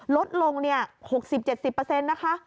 ลดลง๖๐๗๐นะคะ